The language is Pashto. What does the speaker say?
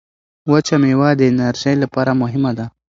وچه مېوه د انرژۍ لپاره مهمه ده.